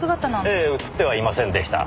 ええ映ってはいませんでした。